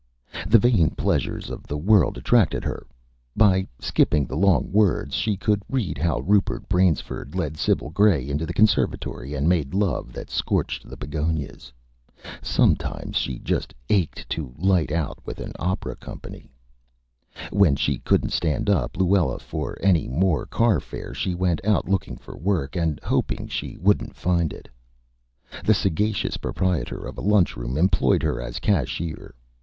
The Vain Pleasures of the World attracted her. By skipping the Long Words she could read how Rupert Bansiford led Sibyl Gray into the Conservatory and made Love that scorched the Begonias. Sometimes she just Ached to light out with an Opera Company. When she couldn't stand up Luella for any more Car Fare she went out looking for Work, and hoping she wouldn't find it. The sagacious Proprietor of a Lunch Room employed her as Cashier.